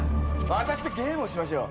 私とゲームをしましょう。